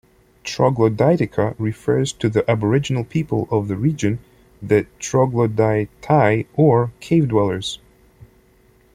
"Troglodytica" refers to the aboriginal people of the region, the "Troglodytai" or "cave dwellers".